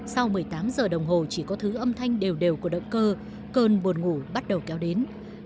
sau một mươi tám giờ đồng hồ chỉ có thứ âm thanh đều đều của động cơ cơn buồn ngủ bắt đầu kéo đến